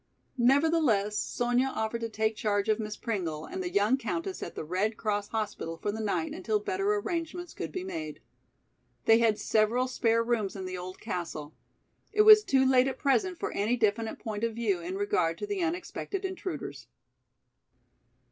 Nevertheless, Sonya offered to take charge of Miss Pringle and the young countess at the Red Cross hospital for the night until better arrangements could be made. They had several spare rooms in the old castle. It was too late at present for any definite point of view in regard to the unexpected intruders.